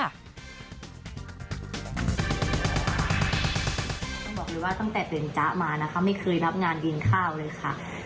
ต้องบอกเลยว่าตั้งแต่เป็นจ๊ะมานะคะไม่เคยรับงานกินข้าวเลยค่ะ